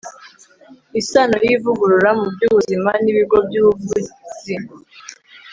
isano y'ivugurura mu by'ubuzima n'ibigo by'ubuvuzi